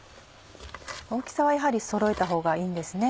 大きさはやはりそろえたほうがいいんですね。